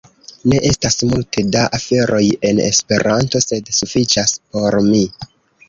Ne estas multe da aferoj en Esperanto, sed sufiĉas por mi.